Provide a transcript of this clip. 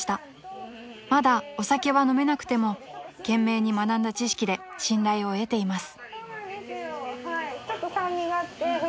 ［まだお酒は飲めなくても懸命に学んだ知識で信頼を得ています］